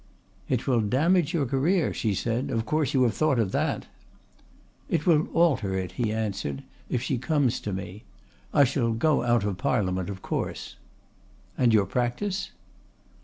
"It will damage your career," she said. "Of course you have thought of that." "It will alter it," he answered, "if she comes to me. I shall go out of Parliament, of course." "And your practice?"